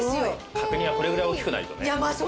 角煮はこれぐらい大きくないとね。